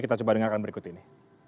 kita coba dengarkan berikut ini